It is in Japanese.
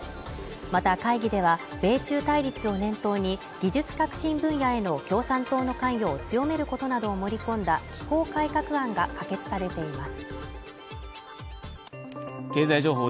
また会議では、米中対立を念頭に技術革新分野への共産党の関与を強めることなどを盛り込んだ機構改革案が可決されています。